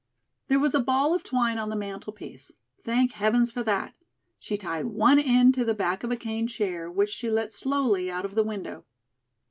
There was a ball of twine on the mantelpiece. Thank heavens for that. She tied one end to the back of a cane chair, which she let slowly out of the window.